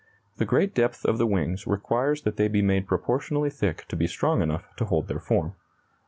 The great depth of the wings requires that they be made proportionally thick to be strong enough to hold their form.